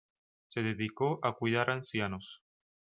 Se dedicó a cuidar ancianos.